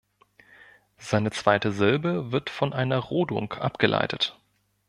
Seine zweite Silbe wird von einer Rodung abgeleitet.